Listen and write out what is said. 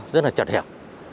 rất là chật hẹp